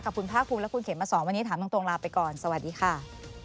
กับคุณภาคภูมิและคุณเขมมาสอนวันนี้ถามตรงลาไปก่อนสวัสดีค่ะ